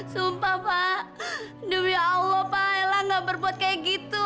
sumpah pak demi allah pak ella gak berbuat kayak gitu